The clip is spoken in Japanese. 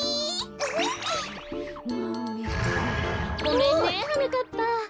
ごめんねはなかっぱ。